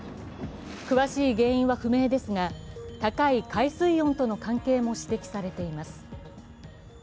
詳しい原因は不明ですが、高い海水温との関係も指摘されています。